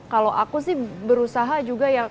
kalau aku sih berusaha juga yang